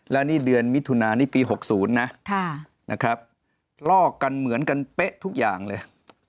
แล้วนี่เดือนมิถุนานี่ปี๖๐นะนะครับลอกกันเหมือนกันเป๊ะทุกอย่างเลย